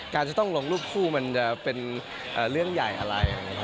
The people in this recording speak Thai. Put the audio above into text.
จะต้องลงรูปคู่มันจะเป็นเรื่องใหญ่อะไร